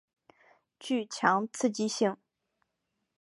具强刺激性。